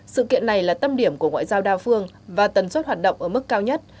sự kiện này là tâm điểm của ngoại giao đa phương và tần suất hoạt động ở mức cao nhất